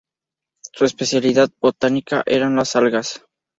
Su especialidad botánica eran las algas.